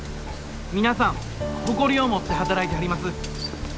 皆さん誇りを持って働いてはります。